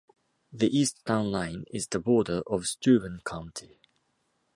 The east town line is the border of Steuben County.